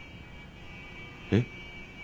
えっ？